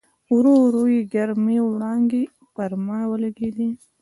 ورو ورو یې ګرمې وړانګې پر ما ولګېدې.